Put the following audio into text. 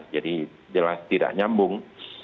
jadi jelas tidak nyambung